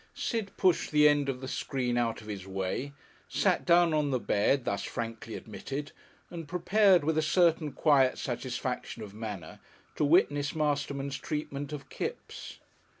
Sid pushed the end of the screen out of his way, sat down on the bed thus frankly admitted, and prepared, with a certain quiet satisfaction of manner, to witness Masterman's treatment of Kipps.